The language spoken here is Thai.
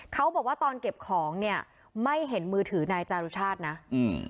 เขาบอกว่าตอนเก็บของเนี่ยไม่เห็นมือถือนายจารุชาตินะอืม